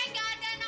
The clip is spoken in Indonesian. kenapa lagi sih lo